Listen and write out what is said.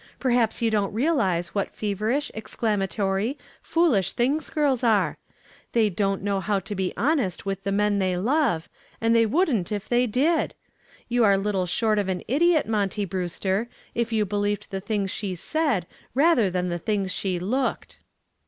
Perhaps you don't realize what feverish, exclamatory, foolish things girls are. They don't know how to be honest with the men they love, and they wouldn't if they did. You are little short of an idiot, Monty Brewster, if you believed the things she said rather than the things she looked."